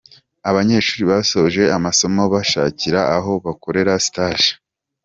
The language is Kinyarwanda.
Abanyeshuri basoje amasomo babashakira aho bakorera stage.